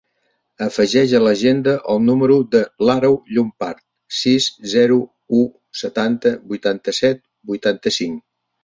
Afegeix a l'agenda el número de l'Àreu Llompart: sis, zero, u, setanta, vuitanta-set, vuitanta-cinc.